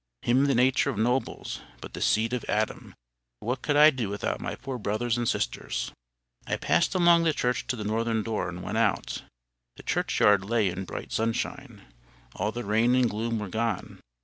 Him the nature of nobles, but the seed of Adam; for what could I do without my poor brothers and sisters? I passed along the church to the northern door, and went out. The churchyard lay in bright sunshine. All the rain and gloom were gone.